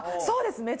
そうです！